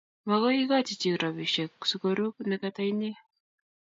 Magoi igoji chi robishiek sikoru nekata inye